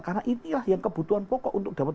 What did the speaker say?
karena inilah yang kebutuhan pokok untuk dapat